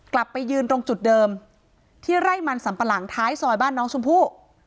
กลับไปยืนตรงจุดเดิมที่ไร่มันสัมปะหลังท้ายซอยบ้านน้องชมพู่